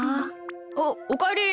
あっおかえり。